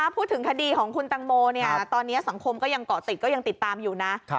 พูดถึงคดีของคุณตังโมตอนนี้สังคมก็ยังเกาะติดก็ยังติดตามอยู่นะ